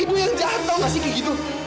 ibu yang jahat tau nggak sih gigi tuh